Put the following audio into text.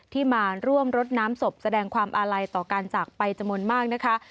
ที่มาร่วมรดน้ำศพแสดงความอาลัยต่อการจากไปจำนวนมากนะคะ